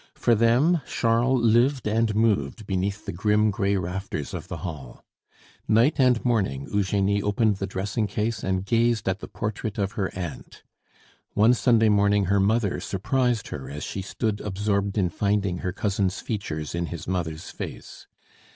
For them Charles lived and moved beneath the grim gray rafters of the hall. Night and morning Eugenie opened the dressing case and gazed at the portrait of her aunt. One Sunday morning her mother surprised her as she stood absorbed in finding her cousin's features in his mother's face.